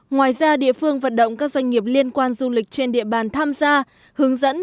ngoài ra địa phương vận động các doanh nghiệp liên quan du lịch trên địa bàn tham gia hướng dẫn